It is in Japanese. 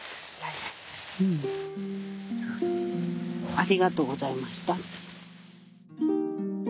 ありがとうございましたって。